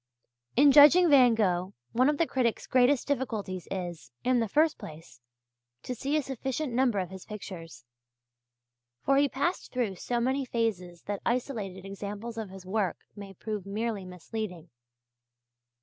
In judging Van Gogh, one of the critic's greatest difficulties is, in the first place, to see a sufficient number of his pictures; for he passed through so many phases that isolated examples of his work may prove merely misleading.